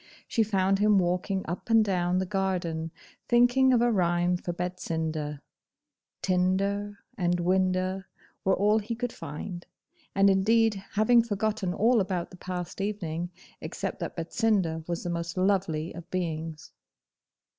She found him walking up and down the garden, thinking of a rhyme for Betsinda (TINDER and WINDA were all he could find), and indeed having forgotten all about the past evening, except that Betsinda was the most lovely of beings.